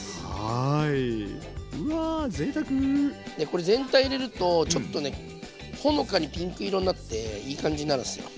これ全体入れるとちょっとねほのかにピンク色になっていい感じになるんすよ。